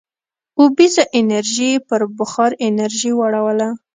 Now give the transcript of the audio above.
اوبیزه انرژي یې پر بخار انرژۍ واړوله.